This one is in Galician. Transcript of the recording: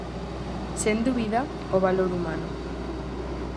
Sen dúbida, o valor humano.